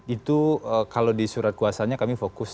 itu kalau di surat kuasanya kami fokus